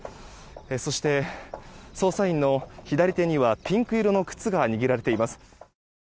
そして、捜査員の左手にはピンク色の靴が握られています。